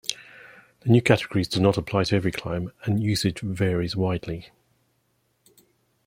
The new categories do not apply to every climb and usage varies widely.